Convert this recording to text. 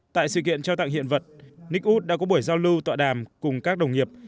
tại sự kiện trao tặng hiện vật nick wood đã có buổi giao lưu tọa đàm cùng các đồng nghiệp